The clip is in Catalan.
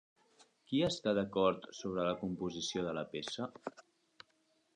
Qui està d'acord sobre la composició de la peça?